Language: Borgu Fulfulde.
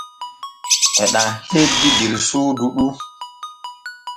E ɗam hebbi der suudu ɗu.